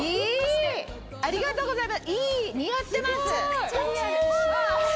ありがとうございます。